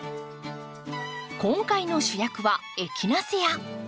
今回の主役はエキナセア。